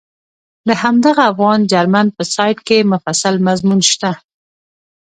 د همدغه افغان جرمن په سایټ کې مفصل مضمون شته.